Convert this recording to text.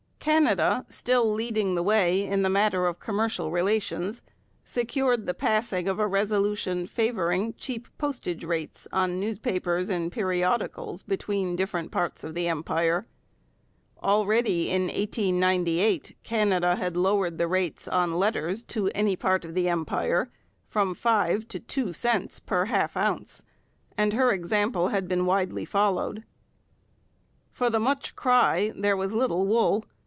Canada, still leading the way in the matter of commercial relations, secured the passing of a resolution favouring cheap postage rates on newspapers and periodicals between different parts of the Empire. Already in 1898, Canada had lowered the rates on letters to any part of the Empire from five to two cents per half ounce, and her example had been widely followed. For the much cry there was little wool.